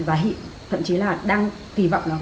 và thậm chí là đang kỳ vọng